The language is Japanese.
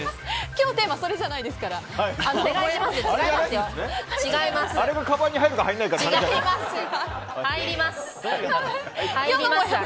今日のテーマはそれじゃないですからお願いしますよ！